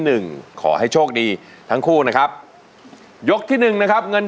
เป็นคู่ชีวิตในยามที่มีวันนั้น